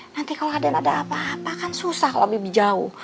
nanti kalau aden ada apa apa kan susah kalau bebe jauh